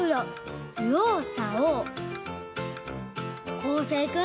こうせいくん